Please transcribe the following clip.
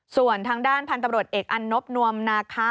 ส่วนทางด้านพันธุ์ตำรวจเอกอันนบนวมนาคะ